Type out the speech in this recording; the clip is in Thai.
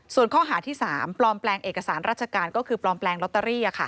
ส่วนข้อหาที่๓ปลอมแปลงเอกสารราชการก็คือปลอมแปลงลอตเตอรี่